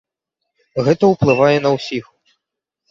Гэта ўплывае на ўсіх.